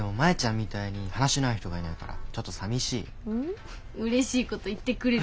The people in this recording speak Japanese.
うれしいこと言ってくれるじゃん。